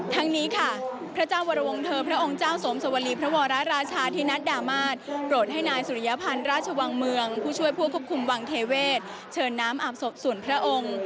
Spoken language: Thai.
ทั้งนี้ค่ะพระเจ้าวรวงเธอพระองค์เจ้าสมสวรีพระวรราชาธินัดดามาศโปรดให้นายสุริยพันธ์ราชวังเมืองผู้ช่วยผู้ควบคุมวังเทเวศเชิญน้ำอาบศพส่วนพระองค์